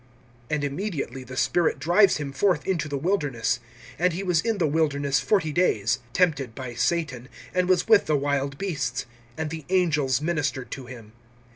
(12)And immediately the Spirit drives him forth into the wilderness. (13)And he was in the wilderness forty days, tempted by Satan, and was with the wild beasts; and the angels ministered to him.